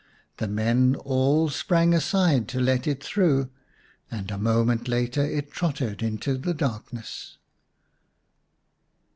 The men all sprang aside to let it through, and a moment later it trotted into the darkness.